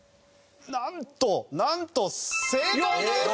なんとなんと正解です！